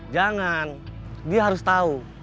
jangan dia harus tau